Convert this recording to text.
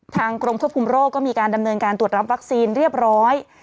กรมควบคุมโรคก็มีการดำเนินการตรวจรับวัคซีนเรียบร้อย